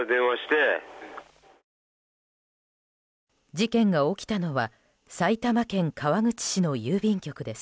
事件が起きたのは埼玉県川口市の郵便局です。